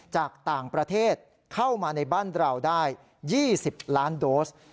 จากต่างประเทศเข้ามาในบ้านเราได้๒๐ล้านโดส